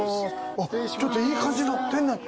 あっちょっといい感じの店内。